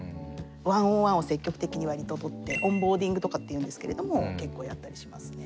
１ｏｎ１を積極的に割と取ってオンボーディングとかっていうんですけれども結構やったりしますね。